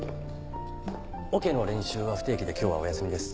オケの練習は不定期で今日はお休みです。